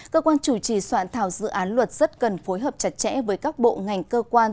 cơ quan chủ trì soạn thảo dự án luật rất cần phối hợp chặt chẽ với các bộ ngành cơ quan